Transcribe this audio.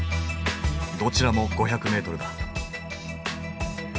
どちらも５００ｍだ。